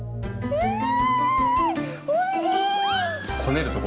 うん！